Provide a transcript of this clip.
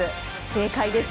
正解です。